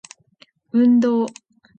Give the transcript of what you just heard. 運動